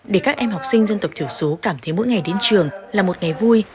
để các em học sinh dân tộc thiểu số cảm thấy mỗi ngày đến trường là một ngày vui